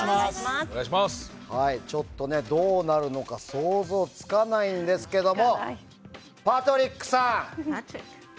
ちょっと、どうなるのか想像がつかないんですけどもパトリックさん。